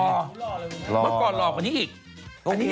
เมื่อก่อนหล่อกว่านี้อีก